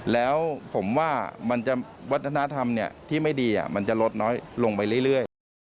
แล้วผมว่าวัฒนธรรมที่ไม่ดีมันจะลดน้อยลงไปเรื่อย